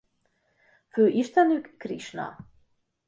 Fő istenük Krisna.